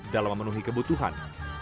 dalam memenuhi kebutuhan